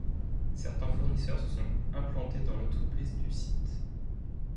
Certains fournisseurs se sont implantés dans l'emprise du site.